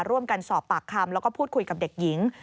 ร่วมกันสอบปากคำแล้วก็พูดคุยกับเด็กหญิง